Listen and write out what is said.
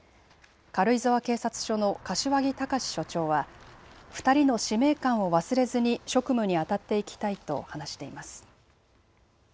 軽井沢警察署の柏木隆署長は２人の使命感を忘れずに職務にあたっていきたいと話しています。